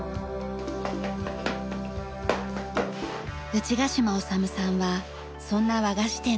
内ヶ嶋修さんはそんな和菓子店の５代目。